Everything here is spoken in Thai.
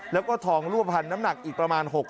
แล้วก็ทองลั่วพันธ์น้ำหนักอีกประมาณ